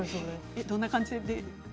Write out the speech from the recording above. どんな感じで？